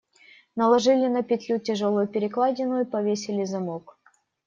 Наложили на петлю тяжелую перекладину и повесили замок.